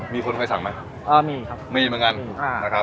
มีคนไว้สั่งไหมเอ่อมีมีเหมือนกัน